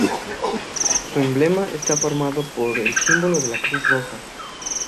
Su emblema está formado por el símbolo de la Cruz Roja.